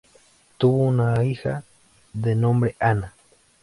Tuvo una hija, de nombre Ana.